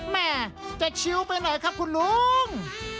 แม่จะชิวไปหน่อยครับคุณลุง